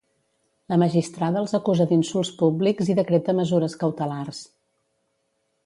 La magistrada els acusa d'insults públics i decreta mesures cautelars.